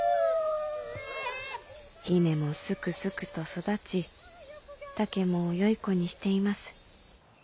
「姫もすくすくと育ち竹もよい子にしています。